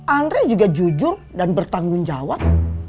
andre juga jujur dan bertanggung jawab